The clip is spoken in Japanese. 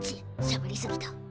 しゃべり過ぎた。